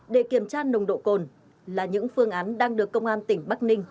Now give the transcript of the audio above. để kiểm tra nồng độ cồn là những phương án đang được công an tỉnh bắc ninh